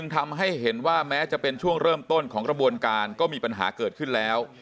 ทำให้เห็นว่าแม้จะเป็นช่วงเริ่มต้นของกระบวนการก็มีปัญหาเกิดขึ้นแล้ว